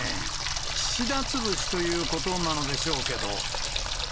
岸田潰しということなのでしょうけど。